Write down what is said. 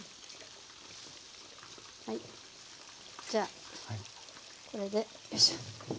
じゃあこれでよいしょ。